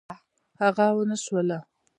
هغه ونشوله.